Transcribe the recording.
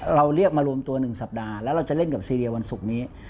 เราเรียกมารวมตัว๑สัปดาห์แล้วเราจะเล่นกับซีเรียวันศุกร์นี้